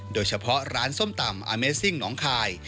โดยเฉพาะร้านส้มตำอาเมซิ่งน้องคาย